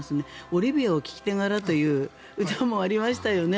「オリビアを聴きながら」という歌もありましたよね。